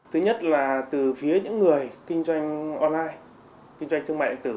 thứ nhất là từ phía những người kinh doanh online kinh doanh thương mại điện tử